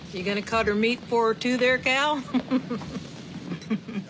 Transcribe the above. フフフフ。